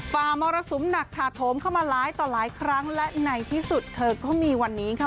ฝ่ามรสุมหนักถาโถมเข้ามาหลายต่อหลายครั้งและในที่สุดเธอก็มีวันนี้ค่ะ